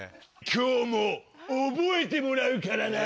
今日も覚えてもらうからな。